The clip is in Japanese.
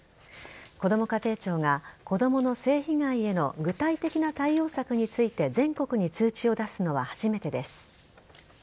こども家庭庁が子供の性被害への具体的な対応策について全国に通知を出すのは初めてです。